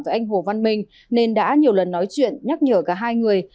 với anh hồ văn minh nên đã nhiều lần nói chuyện nhắc nhở cả hai người